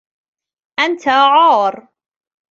أنت عار.